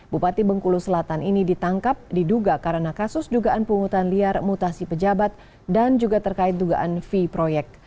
bupati bengkulu selatan ini ditangkap diduga karena kasus dugaan penghutan liar mutasi pejabat dan juga terkait dugaan v proyek